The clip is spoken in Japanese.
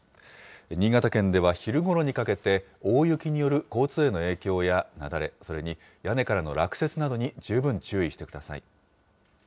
新潟県では昼ごろにかけて、大雪による交通への影響や雪崩、それに屋根からの落雪などに十分注意してください。